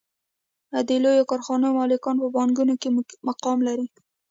د لویو کارخانو مالکان په بانکونو کې مقام لري